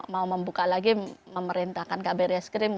mau membuka lagi pemerintahkan kbrs krim untuk